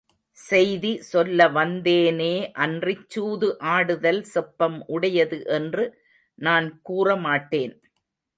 செய்தி சொல்ல வந்தே னே அன்றிச் சூது ஆடுதல் செப்பம் உடையது என்று நான் கூறமாட்டேன்.